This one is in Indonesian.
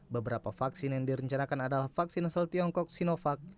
beberapa vaksin yang direncanakan adalah vaksin asal tiongkok sinovac